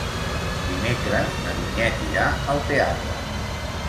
Dimecres na Vinyet irà al teatre.